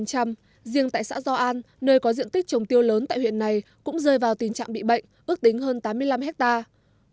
riêng tại xã do an nơi có diện tích trồng tiêu lớn tại huyện này cũng rơi vào tình trạng bị bệnh ước tính hơn tám mươi năm hectare